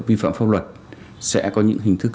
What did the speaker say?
vi phạm pháp luật sẽ có những hình thức